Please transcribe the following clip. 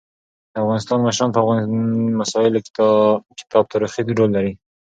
د افغانستان مشران په افغاني مسايلو کيتاریخي رول لري.